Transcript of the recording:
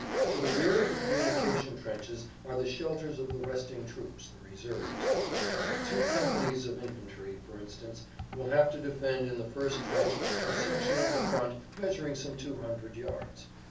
To the rear of the communication trenches are the shelters of the resting troops (reserves). Two companies of infantry, for instance, will have to defend in the first trench a section of the front measuring some two hundred yards.